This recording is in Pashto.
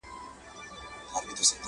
کشمیر ته هر کلی پېغور وو اوس به وي او کنه،